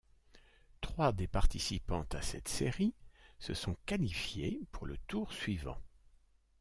Trois des participantes à cette série se sont qualifiées pour le tour suivant.